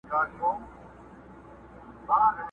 کله ټال کي د خیالونو زنګېدلای٫